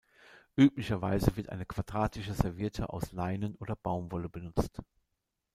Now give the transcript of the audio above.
Üblicherweise wird eine quadratische Serviette aus Leinen oder Baumwolle benutzt.